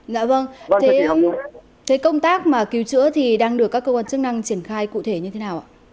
dạ vâng thế công tác mà cứu chữa thì đang được các cơ quan chức năng triển khai cụ thể như thế nào ạ